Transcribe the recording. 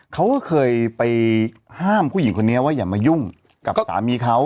เขาก็เคยไปห้ามผู้หญิงคนนี้ว่าอย่ามายุ่งกับสามีเขา